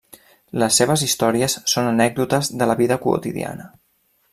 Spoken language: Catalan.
Les seves històries són anècdotes de la vida quotidiana.